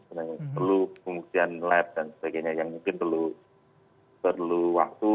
sebenarnya perlu pengujian lab dan sebagainya yang mungkin perlu waktu